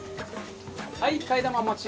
はい替え玉お待ち。